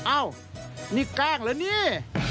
อ้าวนี่แกล้งหรือนี่